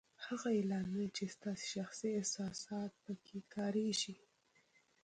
هغه اعلانونه چې ستاسو شخصي احساسات په کې کارېږي